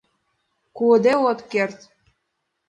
— Пуыде от керт!